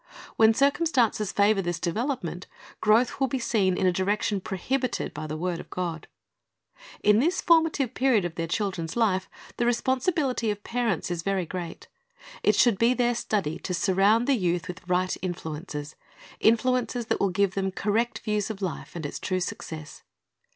Wlien circum stances favor this development, growth will be seen in a direction prohibited by the word of God. In this formative period of their children's life, the responsibility of parents is very great. It should be their study to surround the youth with right influences, influences that will give them correct views of life and its true success.